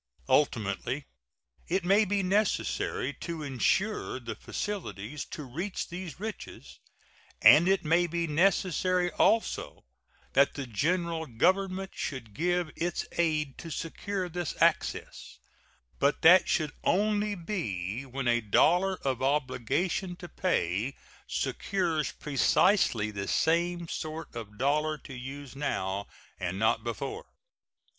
Ultimately it may be necessary to insure the facilities to reach these riches, and it may be necessary also that the General Government should give its aid to secure this access; but that should only be when a dollar of obligation to pay secures precisely the same sort of dollar to use now, and hot before.